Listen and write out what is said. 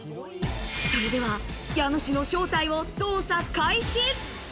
それでは家主の正体を捜査開始。